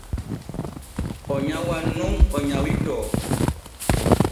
O nyawan nun o nyawitoo.